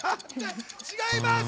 違います。